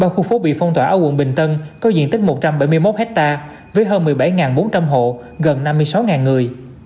ba khu phố bị phong tỏa ở quận bình tân có diện tích một trăm bảy mươi một hectare với hơn một mươi bảy bốn trăm linh hộ gần năm mươi sáu người